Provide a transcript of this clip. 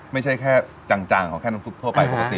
ไม่ใช่แค่จางเอาแค่น้ำซุปทั่วไปปกติ